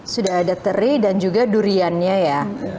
sudah ada teri dan juga duriannya ya